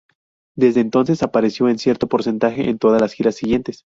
Desde entonces apareció en cierto porcentaje en todas las giras siguientes.